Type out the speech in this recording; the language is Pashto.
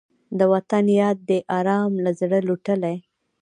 د وطن یاد دې ارام له زړه لوټلی